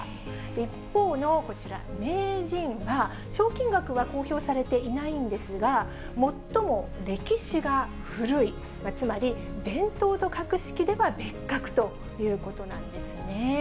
一方のこちら、名人は賞金額は公表されていないんですが、最も歴史が古い、つまり伝統と格式では別格ということなんですね。